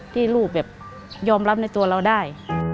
ที่ลูกแบบยอมรับในตัวเราได้